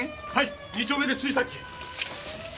〔２丁目でついさっき！